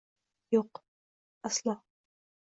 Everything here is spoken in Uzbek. -Yo’q! Aslo!